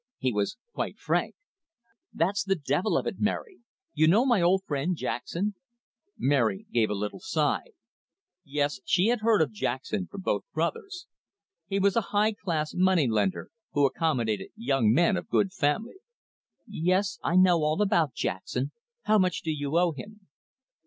He was quite frank. "That's the devil of it, Mary. You know my old friend Jackson?" Mary gave a little sigh. Yes, she had heard of Jackson from both brothers. He was a high class moneylender, who accommodated young men of good family. "Yes, I know all about Jackson. How much do you owe him?"